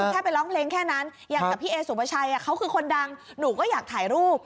แค่ไปร้องเพลงแค่นั้นอย่างกับพี่เอสุปชัยเขาคือคนดังหนูก็อยากถ่ายรูป